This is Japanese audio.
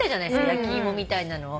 焼き芋みたいなのを。